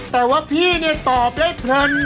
แต่ว่าพี่เนี่ยตอบได้เพลิน